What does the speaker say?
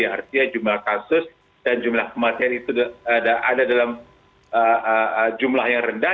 jadi artinya jumlah kasus dan jumlah kematian itu ada dalam jumlah yang rendah